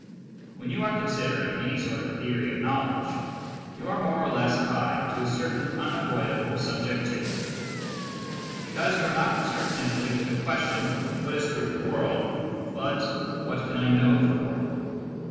When you are considering any sort of theory of knowledge, THE PHILOSOPHY OF LOGICAL ATOMISM. 497 you are more or less tied to a certain unavoidable subjec tivity, because you are not concerned simply with the ques tion what is true of the world, but "What can I know of the world?"